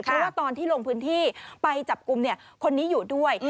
เพราะว่าตอนที่ลงพื้นที่ไปจับกลุ่มคนนี้อยู่ด้วย